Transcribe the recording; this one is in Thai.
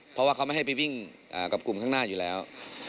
เพราะว่าเขาไม่ให้ไปวิ่งกับกลุ่มข้างหน้าอยู่แล้ว